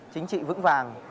chính trị vững vàng